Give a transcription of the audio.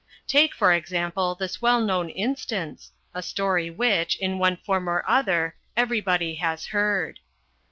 Take, for example, this well known instance a story which, in one form or other, everybody has heard.